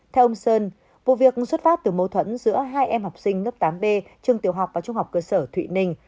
theo ông sơn vụ việc xuất phát từ mâu thuẫn giữa hai em học sinh lớp tám b trường tiểu học và trung học cơ sở thụy ninh